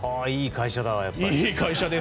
いい会社だわ、やっぱり。